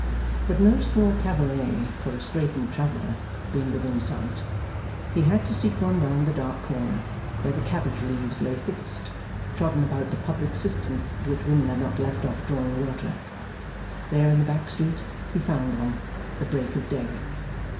But no small cabaret for a straitened traveller being within sight, he had to seek one round the dark corner, where the cabbage leaves lay thickest, trodden about the public cistern at which women had not yet left off drawing water. There, in the back street he found one, the Break of Day.